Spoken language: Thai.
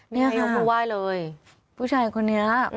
เนี่ยเขามาไหว้เลยผู้ชายคนนี้